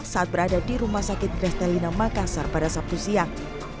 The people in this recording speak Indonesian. saat berada di rumah sakit grestelina makassar pada sabtu siang